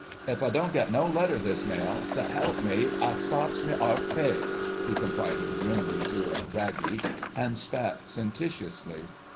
"If I don't get no letter this mail—so 'elp me I stops me 'arf pay," he confided grimly to a "Raggie," and spat sententiously.